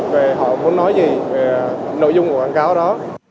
về họ muốn nói gì về nội dung của quảng cáo đó